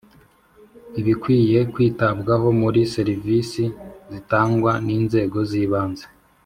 Ibikwiye kwitabwaho muri serivisi zitangwa n inzego z ibanze